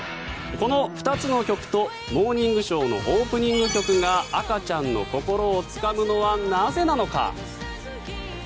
この２つの曲と「モーニングショー」のオープニング曲が赤ちゃんの心をつかむのはなぜなのか。